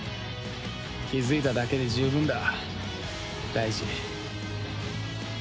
気づいただけで十分だ大二。